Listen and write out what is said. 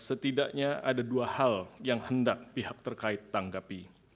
setidaknya ada dua hal yang hendak pihak terkait tanggapi